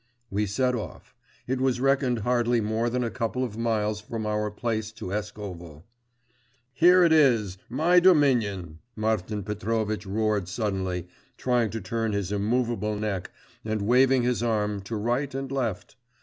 We set off. It was reckoned hardly more than a couple of miles from our place to Eskovo. 'Here it is my dominion!' Martin Petrovitch roared suddenly, trying to turn his immovable neck, and waving his arm to right and left.